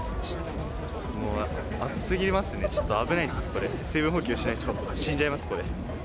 もう暑すぎますね、ちょっと危ないです、これ、水分補給しないと死んじゃいます、これ。